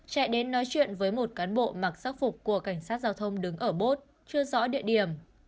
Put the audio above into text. chạy đến nói chuyện với một cán bộ mặc sắc phục của cảnh sát giao thông đứng ở bốt chưa rõ địa điểm